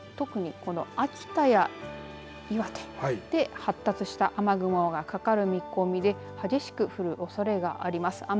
そして特に秋田や岩手で発達した雨雲がかかる見込みで激しく降るおそれがあります。